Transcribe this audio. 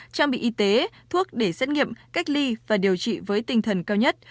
trang bị y tế thuốc để xét nghiệm cách ly và điều trị với tinh thần cao nhất